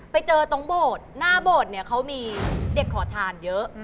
ไปเจอตรงบดหน้าบดเขามีเด็กขอทานเยอะ